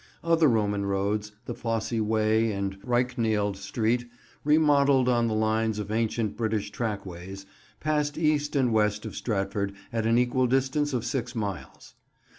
Other Roman roads, the Fosse Way and Ryknield Street, remodelled on the lines of ancient British track ways, passed east and west of Stratford at an equal distance of six miles.